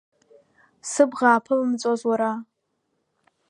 Сыбӷа ааԥылымҵәоз, уара!